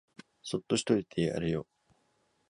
そっとしといてやれよ